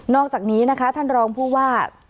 นอกจากนี้ท่านรองพูดว่า